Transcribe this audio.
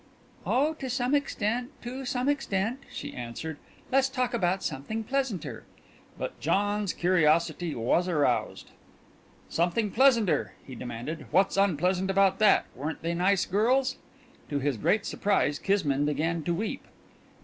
"Oh, to some extent, to some extent," she answered. "Let's talk about something pleasanter." But John's curiosity was aroused. "Something pleasanter!" he demanded. "What's unpleasant about that? Weren't they nice girls?" To his great surprise Kismine began to weep.